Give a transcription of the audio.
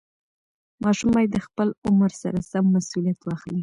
ماشوم باید د خپل عمر سره سم مسوولیت واخلي.